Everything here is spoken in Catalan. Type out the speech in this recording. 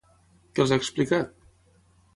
Què els ha explicat?